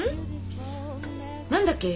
何だっけ？